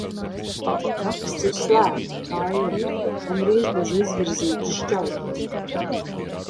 Maksts ir slēgta, kaila, gandrīz bez izvirzītas šķautnes.